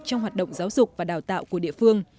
trong hoạt động giáo dục và đào tạo của địa phương